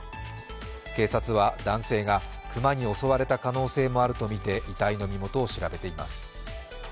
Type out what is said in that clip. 警察は、男性が熊に襲われた可能性もあるとみて遺体の身元を調べています。